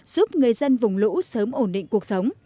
giúp người dân vùng lũ sớm ổn định cuộc sống